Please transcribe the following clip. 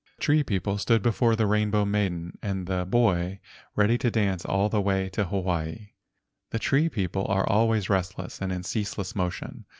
The tree people stood before the Rainbow Maiden and the boy, ready to dance all the way to Hawaii. The tree people are always restless and in ceaseless motion.